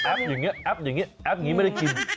แอปอย่างเนี่ยแอปนี้ไม่ได้กิน